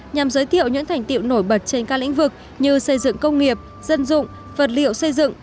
nhằm giới thiệu những thành tiệu nổi bật trên các lĩnh vực như xây dựng công nghiệp dân dụng vật liệu xây dựng